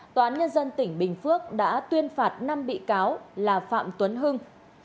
tòa án nhân dân tỉnh bình phước đã tuyên phạt năm bị cáo là phạm tuấn hưng